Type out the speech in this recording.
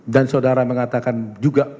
dan saudara mengatakan juga